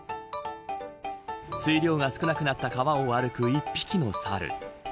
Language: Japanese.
水量が少なくなった川を歩く１匹の猿。